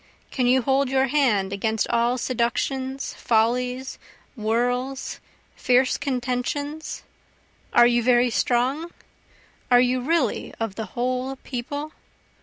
Can you hold your hand against all seductions, follies, whirls, fierce contentions? are you very strong? are you really of the whole People?